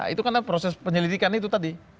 itu karena proses penyelidikan itu tadi